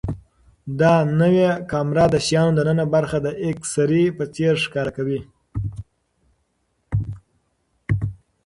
دا نوې کامره د شیانو دننه برخه د ایکس ری په څېر ښکاره کوي.